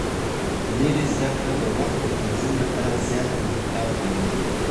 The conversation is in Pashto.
لېري زده کړه د وخت د تنظیم لپاره زیات انعطاف لري.